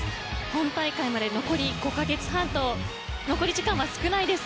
本大会まで残り５か月半と残り時間は少ないです。